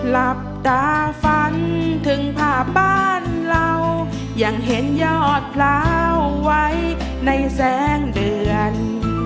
หลับตาฝันถึงผ่าบ้านเรายังเห็นยอดพร้าวไว้ในแสงเดือน